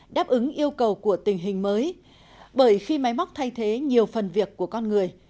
đáp ứng yêu cầu của tình hình mới bởi khi máy móc thay thế nhiều phần việc của con người